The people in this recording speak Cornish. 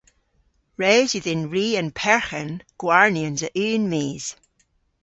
Res yw dhyn ri an perghen gwarnyans a unn mis.